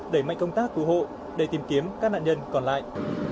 đẩy mạnh công tác cứu hộ để tìm kiếm các nạn nhân còn lại